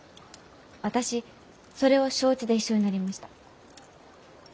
私それを承知で一緒になりました。